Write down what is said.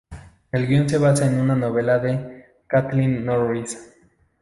El guion se basa en una novela de Kathleen Norris.